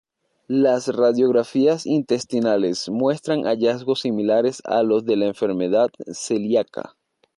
Las radiografías intestinales muestran hallazgos similares a los de la enfermedad celíaca.